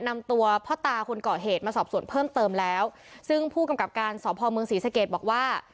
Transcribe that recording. นำตัวพ่อตาคนเกาะเหตุมาสอบส่วนเพิ่มเติมแล้วซึ่งผู้กำกับการสอบภอมเมืองศรีสเกตบอกว่า